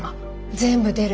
全部出る。